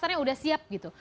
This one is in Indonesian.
pasarnya sudah siap gitu